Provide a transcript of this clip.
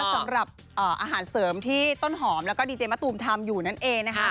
สำหรับอาหารเสริมที่ต้นหอมแล้วก็ดีเจมะตูมทำอยู่นั่นเองนะคะ